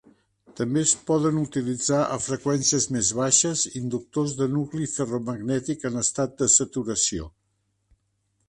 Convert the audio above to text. També es poden utilitzar a freqüències més baixes inductors de nucli ferromagnètic en estat de saturació.